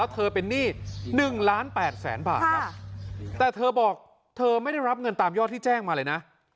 เธอเป็นหนี้๑ล้าน๘แสนบาทครับแต่เธอบอกเธอไม่ได้รับเงินตามยอดที่แจ้งมาเลยนะ